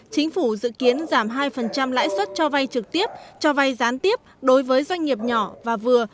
chính phủ dự kiến giảm hai lãi suất cho vay trực tiếp cho vay gián tiếp đối với doanh nghiệp nhỏ và vừa